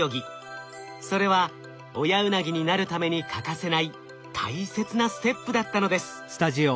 それは親ウナギになるために欠かせない大切なステップだったのです。